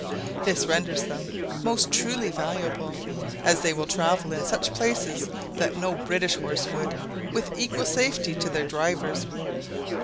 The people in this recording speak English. This renders them most truly valuable, as they will travel in such places that no British horse would, with equal safety to their drivers.